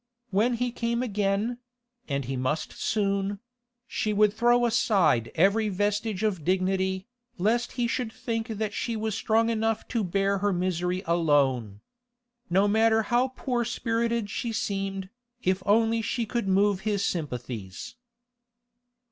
When he came again—and he must soon—she would throw aside every vestige of dignity, lest he should think that she was strong enough to bear her misery alone. No matter how poor spirited she seemed, if only she could move his sympathies.